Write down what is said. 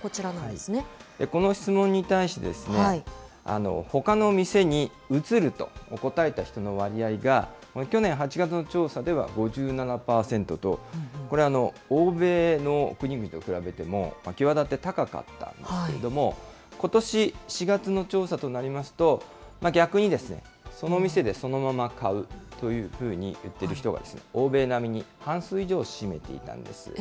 この質問に対して、ほかの店に移ると答えた人の割合が、去年８月の調査では５７％と、これ、欧米の国々と比べても際立って高かったんですけれども、ことし４月の調査となりますと、逆にですね、その店でそのまま買うというふうに言ってる人が、欧米並みに半数以上を占めていたんです。